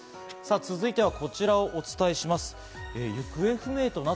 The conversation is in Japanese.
さぁ続いてはこちらをお伝えします。